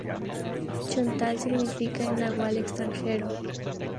Chontal significa en nahuatl "extranjero".